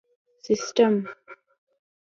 سیسټم